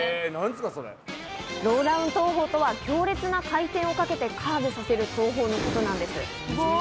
ローダウン投法とは、強烈な回転をかけてカーブさせる投法のことなんです。